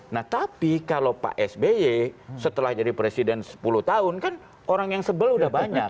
nah tapi kalau pak sby setelah jadi presiden sepuluh tahun kan orang yang sebel udah banyak